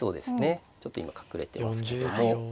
ちょっと今隠れてますけども。